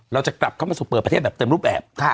เราจะกลับเข้ามาสู่เปิดประเทศแบบเต็มรูปแบบ